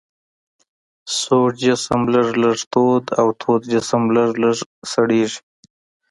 سوړ جسم لږ لږ تود او تود جسم لږ لږ سړیږي.